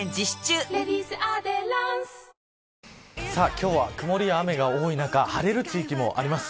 今日は曇りや雨が多い中晴れる地域もあります。